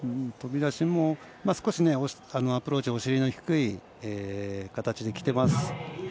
飛び出しも少しアプローチお尻の低い形できてます。